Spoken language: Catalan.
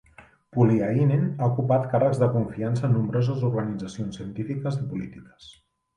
Pulliainen ha ocupat càrrecs de confiança en nombroses organitzacions científiques i polítiques.